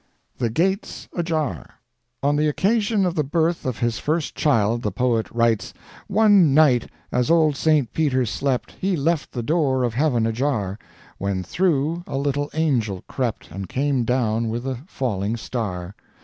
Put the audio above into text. THE GATES AJAR. On the occasion of the birth of his first child the poet writes: One night, as old Saint Peter slept, He left the door of Heaven ajar, When through a little angel crept And came down with a falling star.